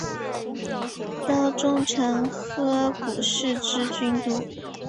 的重臣鹤谷氏之居城。